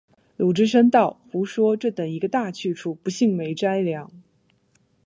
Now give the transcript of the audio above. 智深道：“胡说，这等一个大去处，不信没斋粮。